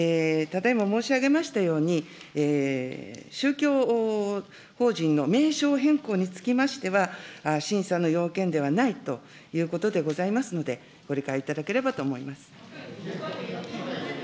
ただいま申しあげましたように、宗教法人の名称変更につきましては、審査の要件ではないということでございますので、ご理解いただければと思います。